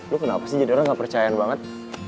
lo kenapa sih jadi orang gak percaya banget